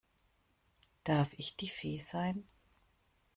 Darf ich die Fee sein?